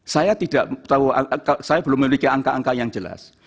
saya belum memiliki angka angka yang jelas